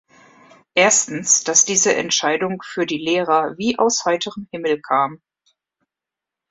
Erstens, dass diese Entscheidung für die Lehrer wie aus heiterem Himmel kam.